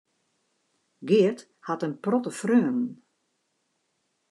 Geart hat in protte freonen.